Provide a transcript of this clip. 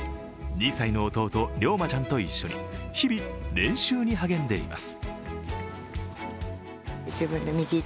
２歳の弟・諒馬ちゃんと一緒に日々、練習に励んでいます。